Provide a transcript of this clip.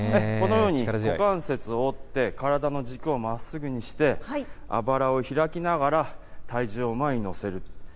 このように股関節を折って、体の軸をまっすぐにして、あばらを開きながら、体重を前に乗せる。